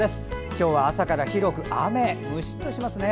今日は朝から広く雨ムシッとしますね。